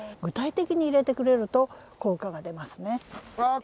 具体的に入れてくれると効果が出ますね。